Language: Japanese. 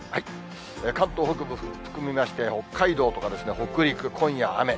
関東北部含めまして、北海道とか北陸、今夜雨。